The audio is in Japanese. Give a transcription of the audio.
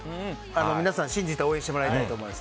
皆さん、信じて応援してもらいたいと思います。